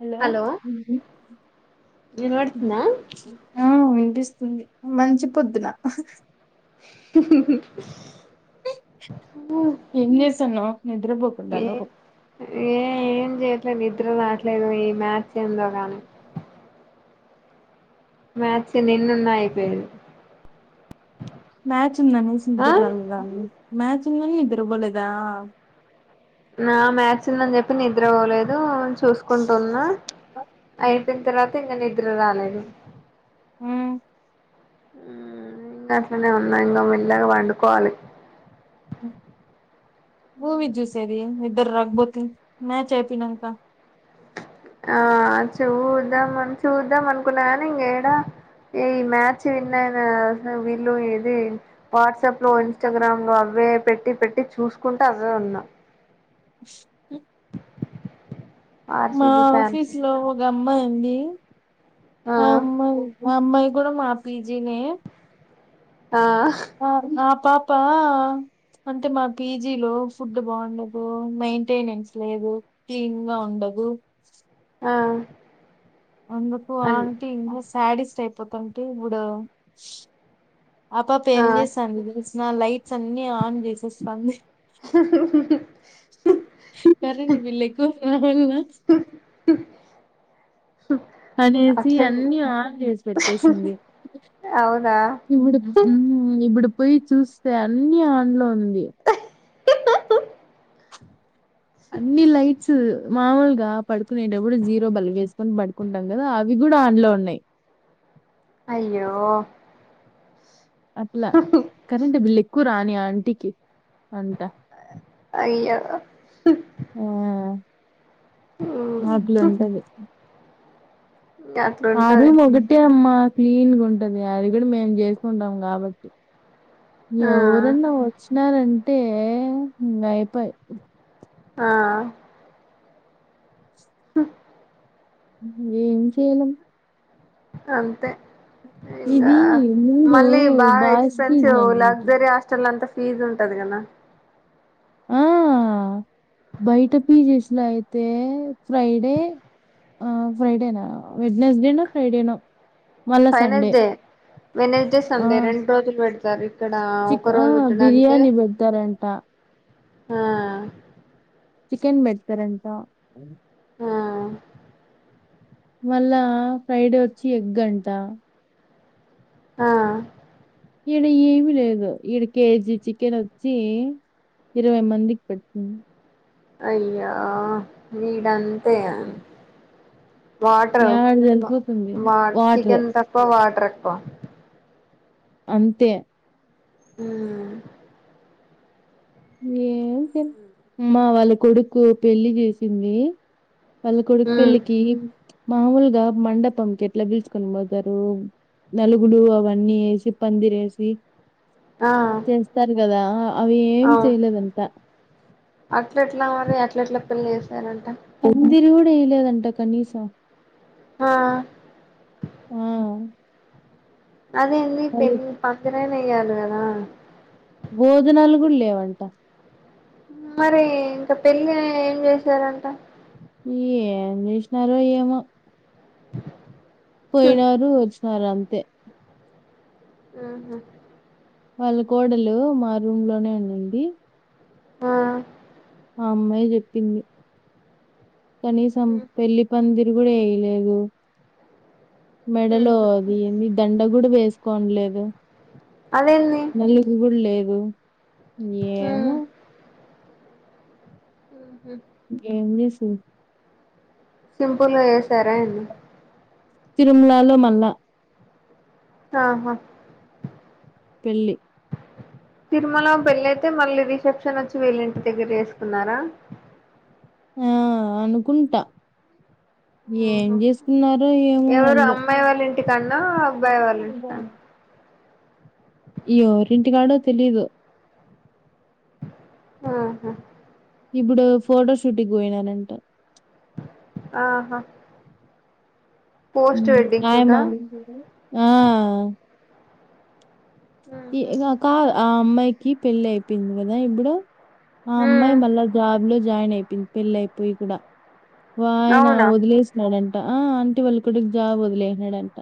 Hello వినబడుతుందా ఆ వినిపి మంచి పొద్దున హహహ ఏం చేస్తున్నావ్ నిద్రపోకుండా ఏ ఏ ఏం చేయట్లేదు నిద్ర రావట్లేదు. ఈ మ్యాచ్ ఏందో గానీ మాచ్ నిన్నన్నయిపోయది మ్యాచ్ ఉందనేసి నిద్ర రాలేదా మ్యాచ ఉందని నిద్ర పోలేదా నా మ్యాచ్ ఉందని చెప్ప ప్పు నిద్రపోలేదు చూసు కుంటున్నా అయితేంత రా నిన్న నిద్ర రాలేదు హ్ హ్ ఇంకా అట్లనే ఉన్నా ఇంగ మేళ్ళాగా పండుకోవాలి మూవీ జుసేది నిద్దర రాకపోతే మ్యాచ్ అయిపోయినక ఆ చూద్దాం అన్ చూద్దాం అనుకున్నా కాని ఇంకేడా ఈ మ్యాచ్ విన్నాయినా వీళ్ళు ఇది వాట్సాప్ లో ఇన్స్టాగ్రామ్ లో అవే పెట్టి పెట్ ట్టి చూసుకుంట అదే ఉన్నా హ మా ఆర్సిబి ఫ్యాన్స్ ఆఫీస్ లో ఒక అమ్మాయి ఉంది ఉ ఆ ఆమ్మయి అమ్మాయి కూడా మా పీజీనే ఆ ఆ ఉ అహ్ పాపా అంటే మా పీజీ లో ఫుడ్ బాగుండదు మెయింటెనెన్స్ లేదు క్లీన్ గా ఉండదు. ఆ ఎందుకు అన్ ఆంటీ ఇంగోస్ శాడిస్ట్ అయిపోతాంటే ముగ స్ ఆ పాప ఏం చేస్తాంది తెలుస్ నా లైట్స్ అన్ని ఆన్ చేసేస్తంది కరెంట్ బిల్లెక్కువ [unintelligible] అనేసి అట్ల అన్ని ఆన్ చేసి పెట్టేసింది అవునా ఇప్పుడు ఉ ఇప్పుడు పోయి చూస్తే అన్ని ఆండ్లో ఉంది చు అన్ని లైట్స్ మామూలుగా పడుకునేటప్పుడు జీరో బలుబు వేసుకొని పడుకుంటాం. కదా అవి కూడా ఆన్లొ ఉన్నాయి. అయ్యో అట్లా కరెంట్ బిల్క్ ఎక్ క్కువరాని ఆంటికి అంట అయ్యో అట్లుంటది ఆరు అట్లుంటది ఒకటే అమ్మా క్లీన్గా ఉంటది. అది కూడా మేము చేసుకుంటాం కాబట్టి ఆ ఎవరన్నా వచ్చినారంటె అంటే ఈ అయిపయి ఆ ఉ ము ఏ చేయడం అంతే ఇంగా ఇది ముందు మళ్ళీ బాగా బాయ్స్ పీజీ ఎక్స్పెన్సివ్ అనుకుంట లగ్జరీ హాస్టెల్ అంతా ఫీజ్ ఉంటది కదా ఆ బయట పిజేస్లో అయితే ఫ్రైడే ఆ ఫ్రైడేనా వెడ్ నెస్డేనా ఫ్రైడేనో మళ్ళా సండే ఫైనస్డే వేనస్ డే ఆ సండే రెండు రోజలు పెడ సరిప్ చిక్ ఆ బిర్యానీ పెడతారంట ఆ చికెన్ పెడతారంటా ఆ మళ్ళా ఫ్రైడే వచ్చి ఎగ్ గంట ఆ ఈయడ ఏమిీ లేదు ఈయడ కేజీ చికెన్ వచ్చి ఇరవై మందికి పెడుతుంది అయ్యా వీడంతే వాటర్ యాడ సరిపోతుంది వా వాటర్ చికెన్ తక్కువ వాటర్ తక్కువ అంతే ఉ ఏ అమ్ మా వాళ్ళ కొడుకు పెళ్లికి చేసింది వాళ్ళ కొడుకు మ్మ్ పెళ్లికి మామూలుగా మండపంకి ఎట్లా పీల్చుకొని పోతారు నలుగురు అవన్నీ వేసి పందిరి వేసి ఆ చేస్తారు కదా అవేం దంతా అట్ల ఎట్లా మరి అట్ల ఎట్లా పెళ్లి చేసారంట పందిరి కూడా వేయలేదంట కనీసం ఆ ఆ అదే ఎందు ఇ వాళ్ళు పెళ్లి పంది నా ఎయ్యాలి కదా భోజనాలు కూడా లేవంట మరి ఇంకా పెళ్ళి ఏం చేసారంట ఏం చేసినారో ఏమో పోయినారు వచ్చి నారు అంతే ఆహ వాళ్ళ కోడలు మా రూమ్ లోనే ఉండండి ఆ ఆ అమ్మాయి చెప్పింది. కనీసం పెళ్లి పందిర్. రీ కూడా ఏయ్లేదు. మెడలో ఉహు అది ఏందీ దండ కూ. ఎప్పుడ్ వేసుకోంన్లేదు. అదేంది నాల్గురు లేరూ. [unintelligible] ఉమ్ యేమో. ఉహుమ్. ఏం చేసిన్రేర్. సింపుల్గా ఏసారా అన్ని. తిరుమలాలో మళ్ళ. ఆహా. పెళ్లి. తిరుమలో పెళ్లియితే, మళ్ళీ రిసెప్షన్ వచ్చి వీళ్ళ ఇంటి దగ్గర చేసుకున్నారా. ఆ అనుకుంటా. ఏం ఓహో చేసుకున్నారో ఏమో ఎవరు వాళ్ళు అమ్మాయి వాళ్ళ ఇంటి కన్నా, అబ్బాయి వాళ్ళ ఇంటి కాన్నా. యేవరింటికాడో తెలీదు. ఆహా. ఇప్పుడు ఫోటో షూట్ కి పోయినారు అంటా. ఆహా. పోస్ట్ వెడ్డింగ్ షూటా [unintelligible] ఆ. [unintelligible] కి ఉహు పెళ్ళి అయిపోయింది అదా ఇప్పుడు. ఆ అమ్మాయి ఉమ్ మళ్ళా జాబ్ లో జాయిన్ అయి. పెళ్లి అయిపోయి కూడా. వాఆయన అవునా ఓదిలేసినాడు. ఆ ఆంటీ వాళ్ళ కోడుక్ జాబ్ అంట ఓదిలేసినాదంట.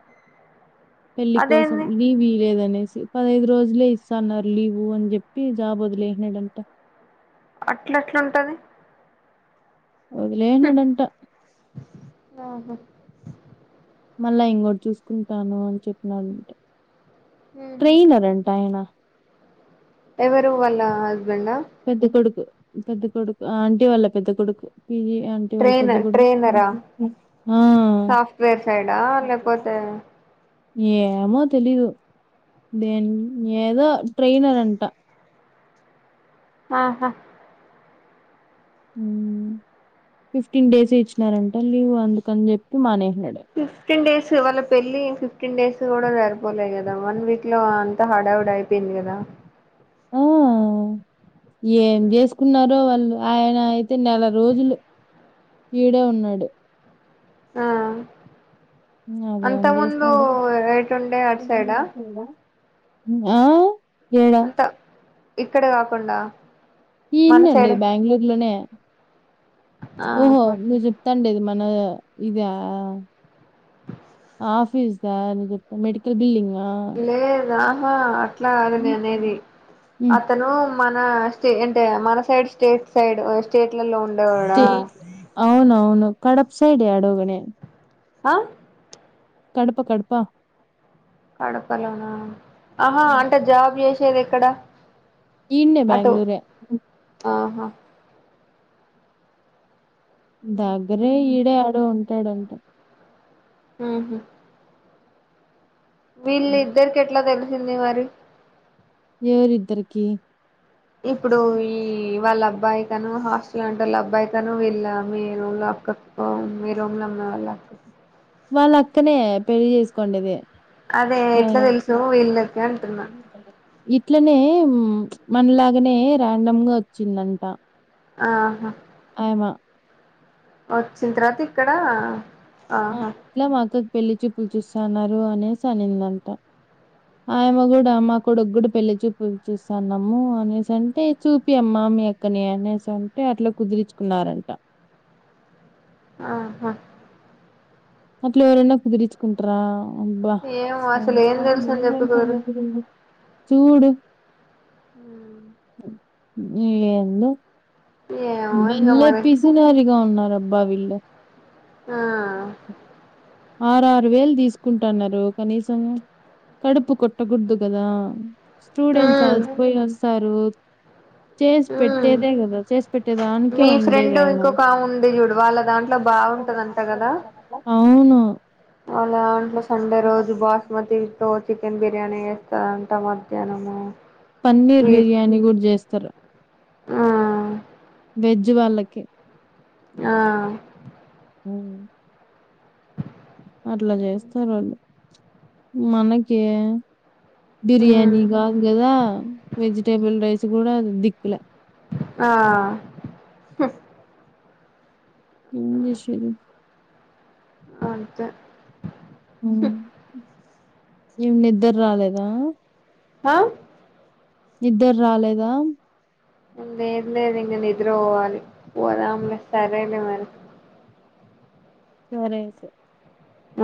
పెళ్ళి కోసం, అదేంది లీవ్ ఈలేదని. సి పదైదు రోజులే ఇస్తాన్నారు లీవు అని చెప్పి, జాబ్ వదిలేనాడంట. అట్లా అట్లా ఉంటది. ఓదిలేసినాడంట. ఆహా మళ్ళా ఇంగోటి చూసుకుంటాను, అని చెప్పినాడాంట్. ట్రేనార్ అంట ఆయన. ఎవరు వాళ్ళ. హస్బెండా పెద్ద కొడుకు. పెద్ద కొడుకు ఆ ఆంటీ వాళ్ళ పెద్ద కొడుకు పీజీ ఆంటీ వాళ్ళు పెద్ద ట్రైనర్ కొడుకు ఉ ట్రైనరా ఉ అ ఆ సాఫ్ట్వేర్ సైడా లేకపోతే ఏమో తెలీదు దేని ఏదో ట్రైనర్ అంట ఆహా ఉ ఫిఫ్టీన్ డేస్ ఇచ్చినారంట లీవ్ అందుకని చెప్పి మానే ఫిఫ్టీన్ డేస్ వాళ్ళ పెళ్ళి ఫిఫ్టీన్ డేస్ కూడా సరిపోలే కదా వన్ వీక్ లో అంత హడావిడి అయిపోయింది కదా ఆ ఏం చేసుకున్నారో వాళ్ళు ఆయన అయితే నెల రోజులు ఈడే ఉన్నాడు ఆ అంత అదేం ముందు చేసినాడు ఎటు ఉండే అటు సైడ ఆ ఏడ ఇక్కడే కాకుండా మన ఇనండి సైడే బెంగళూరు లోనే ఓహో ఆహా నువు చెప్తాండేది మ ఓ ఇద ఆఫీస్దా నువు చెప్పే మెడికల్ బిల్లింగ లేదాహా అట్లా కాదు నే హుహు. అనేది హ్మ్. అతను మన చే అంటే మన సైడ్ స్టేట్ సైడ్ స్టేట్లలో ఉ స్టేట్ అవునవును కడప సైడ్ ఏడో గని ఆ కడప కడప కడప లోనా ఆహా అంటే జాబ్ చేసి వచ్చేది ఎక్కడ ఇన్నె బెంగుళూరే ఆ దగ్గరే ఈడే ఆడో ఉం ట్టడంటా ఆహ హ్మ్. వీళ్ళిద్దరికీ ఎట్లా తె చిన్నేవారు ఎవ రిద్దరికి ఇప్పుడు ఈ వాళ్ళ అబ్బాయి తను హాస్టల్ అంటే వాళ్ళ అబ్బాయి తను వీళ్ళ మీ రూమ్ లో అక్క మీ రూమ్ లో ఉన్న వాళ్ళ అక్కకు వాళ్ళ అక్కనే పెళ్లి చేసుకోండేది అదే ఎట్లా ఆయన. తెలుసు వీళ్ళకి అంటున్నా ఇట్లనే మనలాగనే రాండమ్ గా వచ్చిందంట ఆహా ఆమా వచ్చిన తర్వాత ఇక్కడ ఆ ఆహా ఇట్లా మా అక్కకి పెళ్లి చూపులు చూస్తన్నారు అనేసి అనిందంట ఆయమే కూడా మా కొడుకూడా పెళ్లి చూపులు చూస్తన్నాము అనేసి అంటే చూపి అమ్మా మీ అక్కని అనేసి అంటే అట్లా కుదిరిచ్చుకున్నారంట ఆహా అట్లా ఎవరన్నా కుదిర్చుకుంటార అబ్బా ఏమో అసలు ఏం తెలుసు అని చెప్పి కుదురు చూడు హు ఇ ఎందో ఏమో ఇంగ బళ్ళె మరి పిసినారిగా ఉన్నారబ్ బ్బావీళ్ళు ఆ ఆరు ఆరు వేలు తీసుకుంటాన్నారు కనీసం కడుపు కొట్టకూడదు కదా స్టూడెంట్స్ ఉమ్ అలసిపోయో తారు చేసి ఉమ్ పెట్టేదే కదా చేసి పెట్టే దానికే మీ ఉండేది ఫ్రెండ్ ఆమా ఇంకొక ఆమె ఉంది చూడు వాళ్ళ దాం ట్లో బాగుంటదంట కదా అవును వాళ్ళాదాంట్లో సండే రోజు బాస్మతి తో చికెన్ బిర్ ర్యాని చేస్తారంట మధ్యాహ్నము పన్నీర్ స్వీట్ బిర్యానీ కూడా చేస్తారు ఆ వెజ్ వాళ్ళకి ఆ అవునా అట్లా చేస్తారు వాళ్ళు మనకే ఉమ్ బిర్యానీ కాదు కదా వెజిటేబుల్ రైస్ చ్ కూడా దిక్కులే ఆ ఎమ్ చేసేది అంతే ఉమ్ ఏం నిద్దర రాలేదా అ ఇద్దరు రాలేదా లేేదులేదు నిద్ర పోవాలి పోదములే సరేలే మరి సరే ఐతే ఆ